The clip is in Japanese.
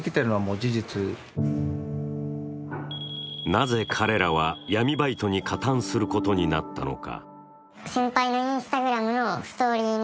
なぜ彼らは闇バイトに加担することになったのか。